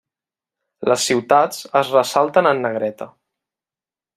Les ciutats es ressalten en negreta.